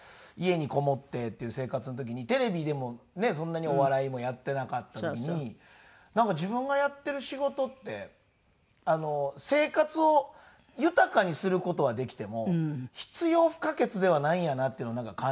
家に籠もってっていう生活の時にテレビでもねっそんなにお笑いもやってなかった時になんか自分がやってる仕事って生活を豊かにする事はできても必要不可欠ではないんやなっていうのをなんか